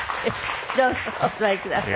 どうぞお座りください。